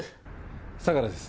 相良です。